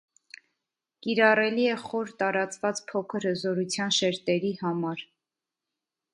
Կիրառելի է խոր տարածված փոքր հզորության շերտերի համար։